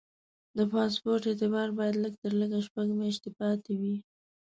د پاسپورټ اعتبار باید لږ تر لږه شپږ میاشتې پاتې وي.